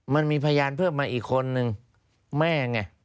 มันมีพยานเพิ่มมาอีกคนนึงแม่ไง